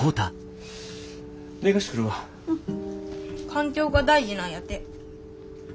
環境が大事なんやて。